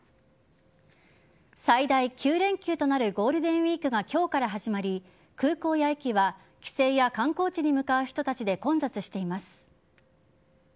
最大９連休となるゴールデンウイークが今日から始まり空港や駅は帰省や観光地に向かう人たちで混雑しています。